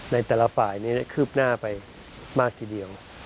ในแต่ละฝ่ายนี้คืบหน้าไปมากทีเดียว